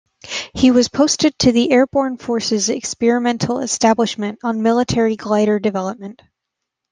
He was posted to the Airborne Forces Experimental Establishment on military glider development.